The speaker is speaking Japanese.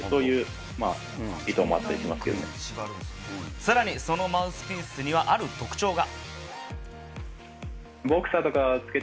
さらに、そのマウスピースにはある特徴が。